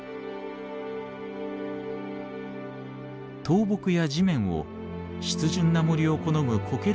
倒木や地面を湿潤な森を好むコケ